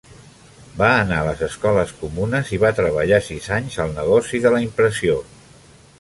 Va anar a les escoles comunes i va treballar sis anys al negoci de la impressió.